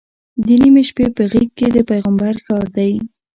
د نیمې شپې په غېږ کې د پیغمبر ښار دی.